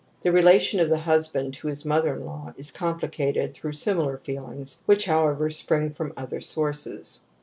The relation of the husband to his mother in law is complicated through similar feelings which, however, spring from other sources.